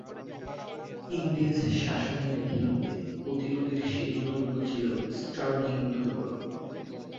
ইংরেজ শাসনের বিরুদ্ধে প্রতিরোধের শেষ দুর্গ ছিল স্টারলিং দুর্গ।